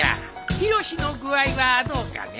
ヒロシの具合はどうかね。